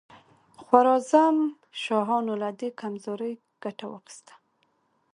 خوارزم شاهانو له دې کمزورۍ ګټه واخیسته.